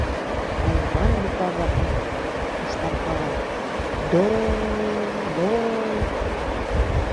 А Иван буква-влакым уштаркала: «До-о...ло-о-о-й...»